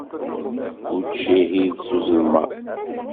Ittcehhid s uzelmaḍ.